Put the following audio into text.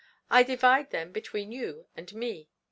I divide them between you and me.